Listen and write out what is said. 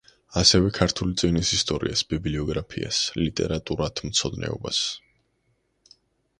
ასევე ქართული წიგნის ისტორიას, ბიბლიოგრაფიას, ლიტერატურათმცოდნეობას.